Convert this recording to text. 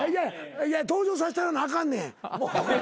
いや登場させたらなあかんねん。